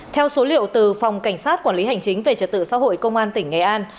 theo số liệu từ phòng cảnh sát quản lý hành chính về trật tự xã hội công an tỉnh nghệ an